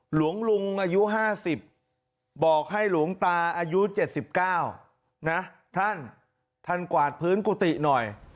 หลวงลุงอายุ๕๐บอกให้หลวงตาอายุ๗๙นะท่านท่านกวาดพื้นกุฏิหน่อย